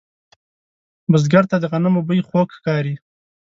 بزګر ته د غنمو بوی خوږ ښکاري